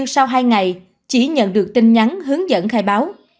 sau hai ngày chỉ nhận được tin nhắn hướng dẫn khai báo